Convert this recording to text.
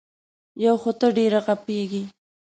یو خو ته ډېره غږېږې.